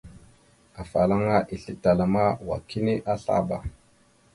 Afalaŋa islétala ma wa kini azlaba.